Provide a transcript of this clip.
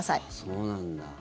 そうなんだ。